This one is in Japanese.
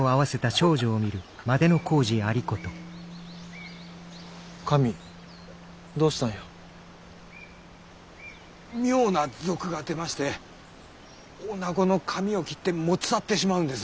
妙な賊が出まして女子の髪を切って持ち去ってしまうんです。